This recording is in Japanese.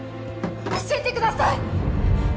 教えてください